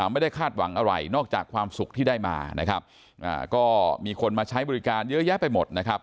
ไม่ได้คาดหวังอะไรนอกจากความสุขที่ได้มานะครับก็มีคนมาใช้บริการเยอะแยะไปหมดนะครับ